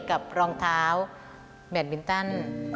กับรองเท้าแบตมินตัน